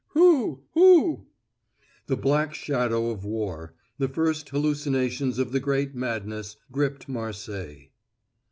Hou hou!_" The black shadow of war the first hallucinations of the great madness gripped Marseilles.